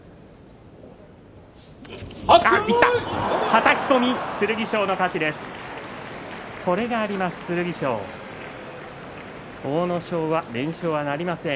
はたき込み、剣翔の勝ち。